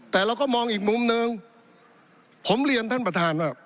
แต่เราก็มองอีกมุมหนึ่งผมเรียนท่านประธานว่า